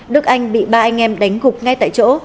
đức anh bị ba anh em đánh gục ngay tại chỗ